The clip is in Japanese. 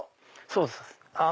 そうです。